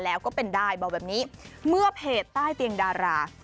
แล้วก็เป็นได้บอกแบบนี้เมื่อเพจใต้เตียงดารา